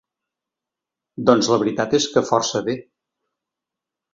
Doncs la veritat és que força bé.